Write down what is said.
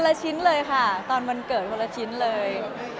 ละชิ้นเลยค่ะตอนวันเกิดคนละชิ้นเลย